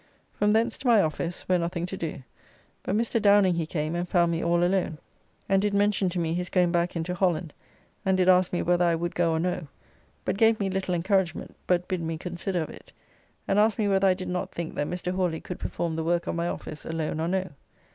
From thence to my office, where nothing to do; but Mr. Downing he came and found me all alone; and did mention to me his going back into Holland, and did ask me whether I would go or no, but gave me little encouragement, but bid me consider of it; and asked me whether I did not think that Mr. Hawly could perform the work of my office alone or no.